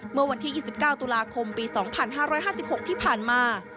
เมื่อวันที่๒๙ตุลาคมปี๒๕๕๖ที่ผ่านมา